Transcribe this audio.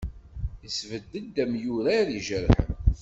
Yesbedd-d amyurar ijerḥen.